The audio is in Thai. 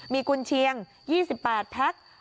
มีกุญเชียง๒๘พัก